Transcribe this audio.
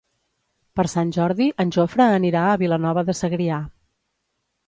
Per Sant Jordi en Jofre anirà a Vilanova de Segrià.